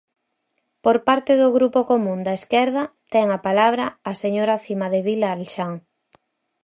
Por parte do Grupo Común da Esquerda ten a palabra a señora Cimadevila Alxán.